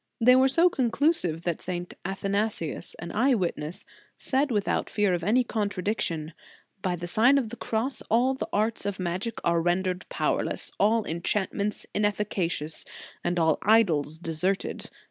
They were so conclusive that St. Athana sius, an eye witness, said without fear of any contradiction :" By the Sign of the Cross all the arts of magic are rendered powerless, all enchantments inefficacious; and all idols deserted.